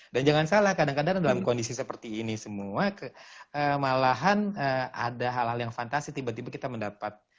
dan jangan salah kadang kadang dalam kondisi seperti ini semua malahan ada hal hal yang fantasi tiba tiba kita mendapat